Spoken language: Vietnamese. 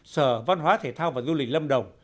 sở văn hóa thể thao và du lịch lâm đồng